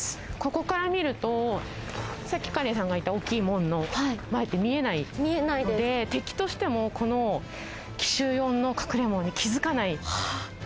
ここから見るとさっき、香蓮さんがいた大きい門の前って見えないので敵としても、この奇襲用の隠門に気付かない。